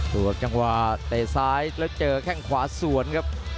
ตัวจังหวะเตะซ้ายแล้วเจอแข้งขวาสวนครับ